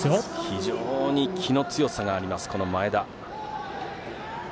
非常に気の強さがあります、前田。